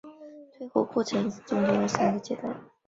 退火过程中间会有三个阶段。